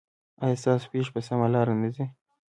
ایا ستاسو پښې په سمه لار نه ځي؟